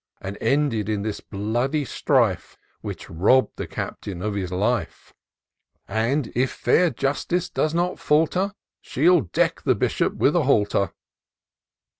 And ended in this bloody strife. Which robb'd the Captain of his life ; And, if fair Justice does not falter, She'll deck the Bishop with a halter."